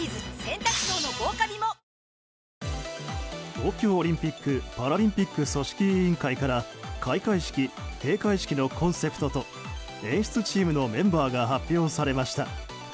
東京オリンピック・パラリンピック組織委員会から開会式、閉会式のコンセプトと演出チームのメンバーが発表されました。